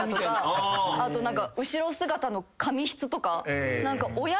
あと何か後ろ姿の髪質とか。